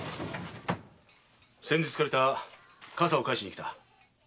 先日借りた傘を返しにきた。